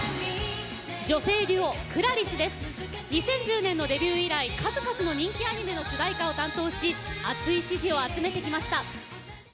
２０１０年のデビュー以来数々の人気アニメの主題歌を担当し熱い支持を集めてきました。